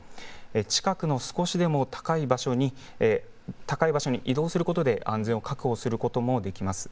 近くの少しでも高い場所に移動することで安全を確保することもできます。